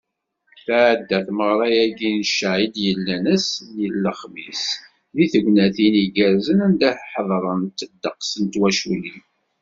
Tɛedda tmeɣra-agi n cca i d-yellan ass-nni n lexmis deg tegnatin igerrzen, anda ḥeḍrent ddeqs n twaculin.